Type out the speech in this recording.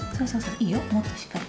いいよもっとしっかり。